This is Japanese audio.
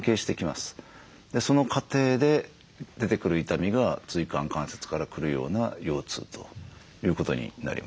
その過程で出てくる痛みが椎間関節から来るような腰痛ということになります。